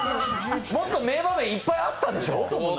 もっと名場面いっぱいあったでしょう！